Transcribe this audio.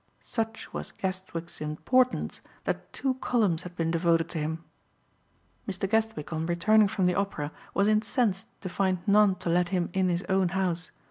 Such was Guestwick's importance that two columns had been devoted to him. Mr. Guestwick on returning from the Opera was incensed to find none to let him in his own house.